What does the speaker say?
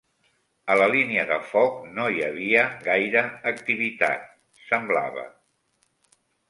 A la línia de foc no hi havia gaire activitat, semblava